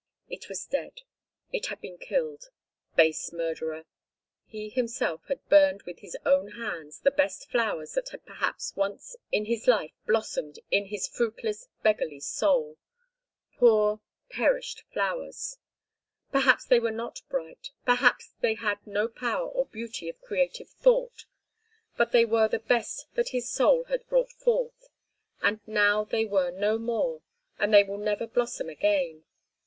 It was dead. It had been killed. Base murderer! He himself had burned with his own hands the best flowers that had perhaps once in his life blossomed in his fruitless, beggarly soul! Poor perished flowers! Perhaps they were not bright, perhaps they had no power or beauty of creative thought, but they were the best that his soul had brought forth, and now they were no more and they will never blossom again.